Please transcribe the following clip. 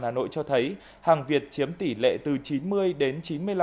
hà nội cho thấy hàng việt chiếm tỷ lệ từ chín mươi đến chín mươi năm